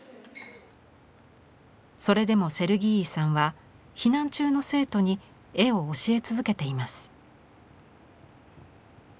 それでもセルギーイさんは避難中の生徒に絵を教え続けています。